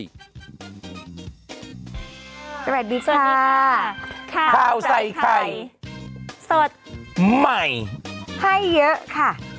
สวัสดีค่ะข้าวใส่ไข่สดใหม่ให้เยอะค่ะ